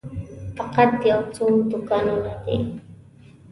فقط یو څو دوکانونه دي.